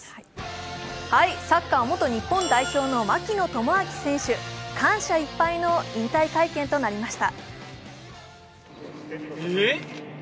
サッカー元日本代表の槙野智章選手、感謝いっぱいの引退会見となりました。